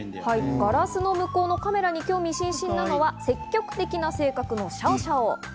ガラスの向こうのカメラに興味津々なのは積極的な性格のシャオシャオ。